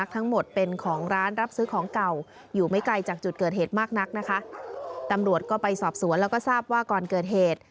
ตำรวจก็ไปสอบสวนแล้วก็ทราบว่าก่อนเกิดเหตุ